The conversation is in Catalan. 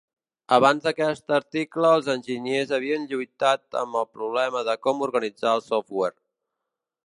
Abans d'aquest article, els enginyers havien lluitat amb el problema de com organitzar el software.